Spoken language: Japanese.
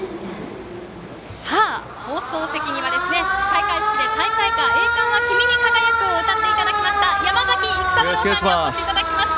放送席には開会式で大会歌「栄冠は君に輝く」を歌っていただきました山崎育三郎さんにお越しいただきました。